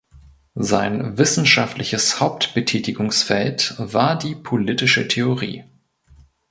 Sein wissenschaftliches Hauptbetätigungsfeld war die Politische Theorie.